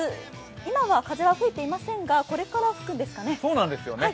今は風は吹いていませんがこれから吹くんですかね。